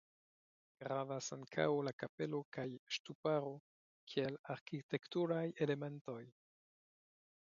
Gravas ankaŭ la kapelo kaj ŝtuparo kiel arkitekturaj elementoj.